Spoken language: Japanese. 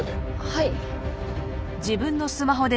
はい。